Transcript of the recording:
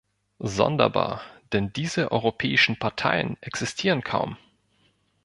Sonderbar, denn diese europäischen Parteien existieren kaum.